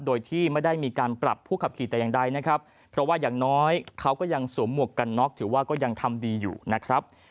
โดยที่ไม่ได้มีการปรับผู้ขับขี่แต่อย่างใดนะครับเพราะว่าอย่างน้อยเขาก็ยังสวมหมวกกันน็อกถือว่าก็ยังทำดีอยู่นะครับ